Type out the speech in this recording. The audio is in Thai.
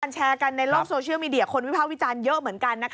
แชร์กันในโลกโซเชียลมีเดียคนวิภาควิจารณ์เยอะเหมือนกันนะคะ